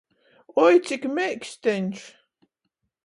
Oi, cik meiksteņš!